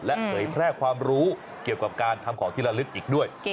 และเผยแพร่ความรู้เกี่ยวกับการทำของที่ละลึกอีกด้วย